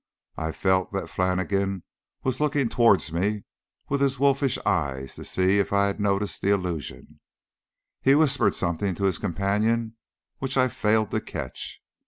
I felt that Flannigan was looking towards me with his wolfish eyes to see if I had noticed the allusion. He whispered something to his companion which I failed to catch.